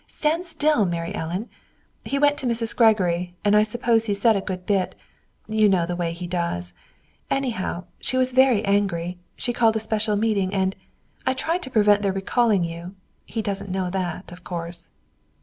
"Stand still, Mary Ellen! He went to Mrs. Gregory, and I suppose he said a good bit. You know the way he does. Anyhow, she was very angry. She called a special meeting, and I tried to prevent their recalling you. He doesn't know that, of course."